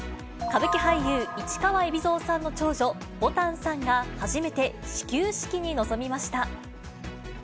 歌舞伎俳優、市川海老蔵さんの長女、ぼたんさんが、初めて始球式に臨みました。